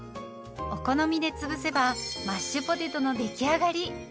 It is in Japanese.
お好みで潰せばマッシュポテトの出来上がり。